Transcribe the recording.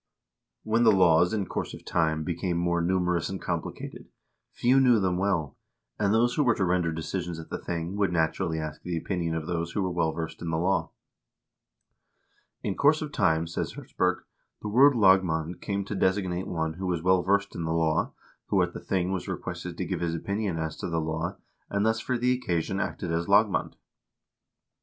When the laws in course of time became more numerous and compli cated, few knew them well, and those who were to render decisions at the thing would, naturally, ask the opinion of those who were well versed in the law. " In course of time," says Hertzberg, " the word 'lagmand' came to designate one who was well versed in the law, who at the thing was requested to give his opinion as to the law, and thus for the occasion acted as lagmand."